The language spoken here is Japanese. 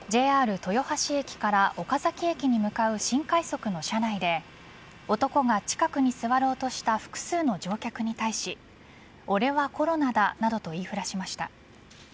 ＪＲ豊橋駅から岡崎駅に向かう新快速の車内で男が近くに座ろうとした複数の乗客に対し俺はコロナだなどと言いふらしました。